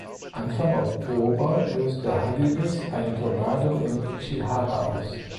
Anfang Oktober löste Hagibis einen Tornado in Ichihara aus.